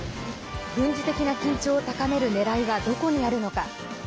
軍事的な緊張を高めるねらいはどこにあるのか。